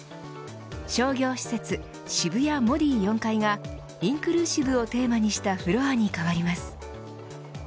商業施設、渋谷ＭＯＤＩ４階がインクルーシブをテーマにしたフロアに変わります。